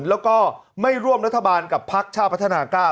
แล้วก็ไม่ร่วมรัฐบาลกับภักดิ์ชาวพัฒนากา